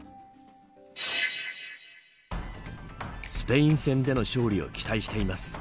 スペイン戦での勝利を期待しています。